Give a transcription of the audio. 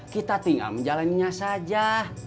kita tinggal menjalannya saja